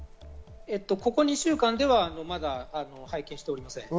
ここ２週間ではまだ拝見しておりません。